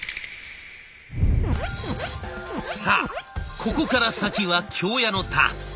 さあここから先は京谷のターン。